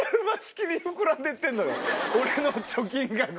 俺の貯金額。